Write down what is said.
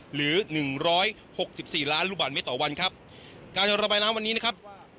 หรือหนึ่งร้อยหกสิบสี่ล้านลูกบาทเมตรต่อวันครับการระบายน้ำวันนี้นะครับ